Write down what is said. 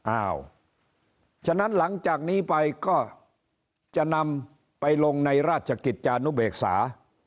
อ้าวฉะนั้นหลังจากนี้ไปก็จะนำไปลงในราชกิจจานุเบกษา